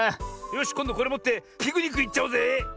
よしこんどこれもってピクニックいっちゃおうぜ！